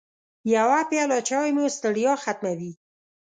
يوه پیاله چای مو ستړیا ختموي.